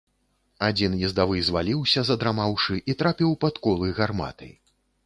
Адзін ездавы зваліўся, задрамаўшы, і трапіў пад колы гарматы.